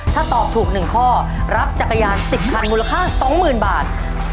ถ้าตอบถูก๑ข้อรับจักรยาน๑๐คันมูลค่า๒๐๐๐บาท